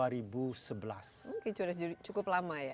mungkin sudah cukup lama ya